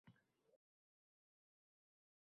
Ular o'zlari o'rnatgan qoidalarga amal qilmaydi